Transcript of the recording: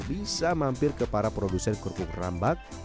bisa mampir ke para produser kurkuk rambang